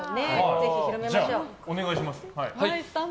ぜひ広めましょう。